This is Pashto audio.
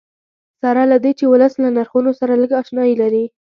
سره له دې چې ولس له نرخونو سره لږ اشنایي لري.